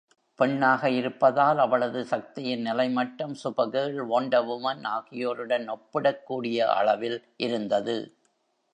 பெண்ணாக இருப்பதால் அவளது சக்தியின் நிலைமட்டம், Supergirl, Wonder Woman ஆகியோருடன் ஒப்பிடக்கூடிய அளவில் இருந்தது.